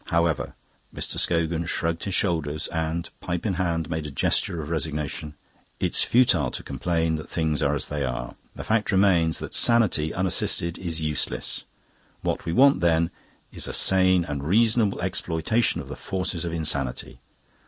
However" Mr. Scogan shrugged his shoulders and, pipe in hand, made a gesture of resignation "It's futile to complain that things are as they are. The fact remains that sanity unassisted is useless. What we want, then, is a sane and reasonable exploitation of the forces of insanity.